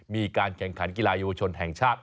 มีการแข่งขันกีฬาเยาวชนแห่งชาติ